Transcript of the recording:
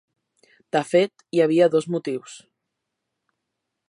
De fet, hi havia dos motius.